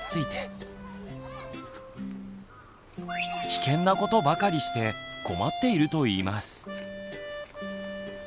危険なことばかりして困っていると言います。